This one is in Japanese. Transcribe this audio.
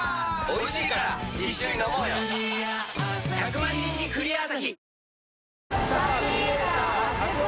１００万人に「クリアアサヒ」